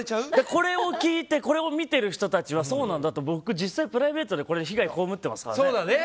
これを聞いて、これを見てる人たちはそうなんだと僕、実際にプライベートで被害こうむってますからね。